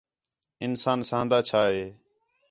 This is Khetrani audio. انسان ساہن٘دا چھا ہے